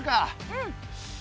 うん！